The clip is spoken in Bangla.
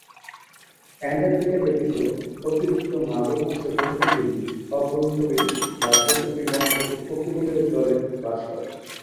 অ্যান্টার্কটিকা ব্যতীত অতিরিক্ত মাগুর মাছের প্রজাতিগুলি অভ্যন্তরীণ বা প্রতিটি মহাদেশের উপকূলীয় জলে বাস করে।